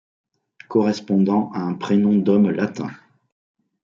Correspondant à un prénom d'homme latin.